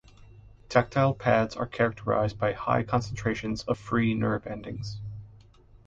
Tactile pads are characterized by high concentrations of free nerve endings.